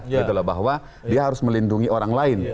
yaitu bahwa dia harus melindungi orang lain